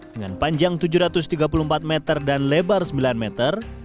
dengan panjang tujuh ratus tiga puluh empat meter dan lebar sembilan meter